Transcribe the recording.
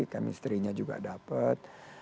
chemistry nya juga dapat